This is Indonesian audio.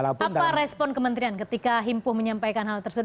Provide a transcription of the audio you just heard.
apa respon kementerian ketika himpuh menyampaikan hal tersebut